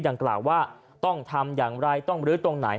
ดังกล่าวว่าต้องทำอย่างไรต้องบรื้อตรงไหน